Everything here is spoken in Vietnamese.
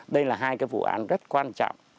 đây là hai vụ án rất quan trọng